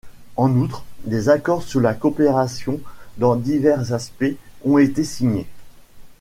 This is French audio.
En outre, des accords sur la coopération dans divers aspects ont été signés.